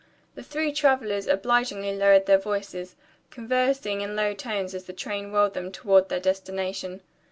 The three travelers obligingly lowered their voices, conversing in low tones, as the train whirled them toward their destination.